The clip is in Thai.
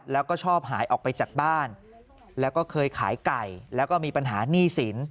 แล้วก็ชอบหายออกไปจากบ้านแล้วก็เคยขายไก่แล้วก็มีปัญหาหนี้สิน